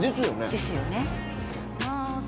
ですよね。ね？